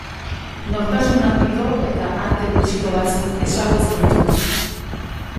Nortasun handiko eta arte gutxiko batzuk ezagutzen ditut.